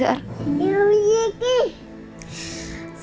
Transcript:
ya allah sayangku